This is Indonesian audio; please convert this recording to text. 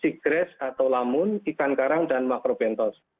sigres atau lamun ikan karang dan makrobentos